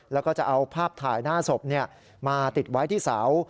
แล้วก็จะเอาภาพถ่ายหน้าศพมาติดไว้ที่เสา